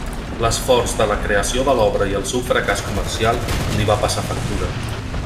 L'esforç de la creació de l'obra i el seu fracàs comercial li va passar factura.